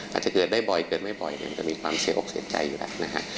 อาจจะเกิดได้บ่อยเกิดไม่บ่อยเนี่ยมันจะมีความเสียอกเสียใจอยู่แล้วนะฮะ